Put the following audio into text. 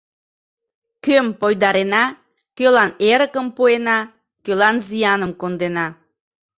Кӧм пойдарена, кӧлан эрыкым пуэна, кӧлан зияным кондена?